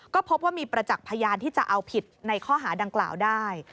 ก็พบว่ามีประจักษ์พยานที่จะเอาผิดในข้อหาดังกล่าวได้